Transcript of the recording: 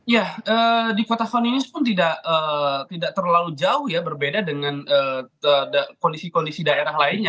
ya di kota vaninus pun tidak terlalu jauh ya berbeda dengan kondisi kondisi daerah lainnya